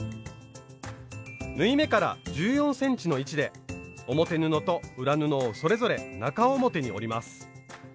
縫い目から１４ｃｍの位置で表布と裏布をそれぞれ中表に折ります。